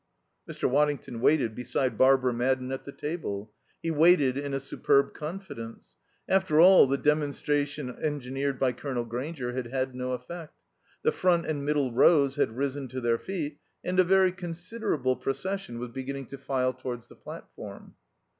Mr. Waddington waited beside Barbara Madden at the table; he waited in a superb confidence. After all, the demonstration engineered by Colonel Grainger had had no effect. The front and middle rows had risen to their feet and a very considerable procession was beginning to file towards the platform.